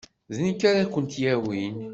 D nekk ara kent-yawin.